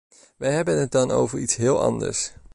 Wij hebben het dan over iets heel anders.